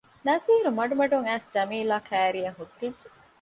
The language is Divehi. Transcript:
ނަޒީރު މަޑުމަޑުން އައިސް ޖަމީލާ ކައިރިއަށް ހުއްޓިއްޖެ